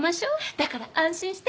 だから安心して。